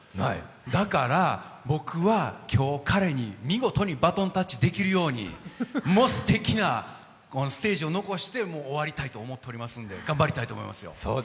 だから僕は今日、彼に見事にバトンタッチできるように、もうすてきなステージを残して終わりたいと思っておりますので頑張りたいと思いますよ。